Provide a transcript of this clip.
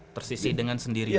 persis dengan sendirinya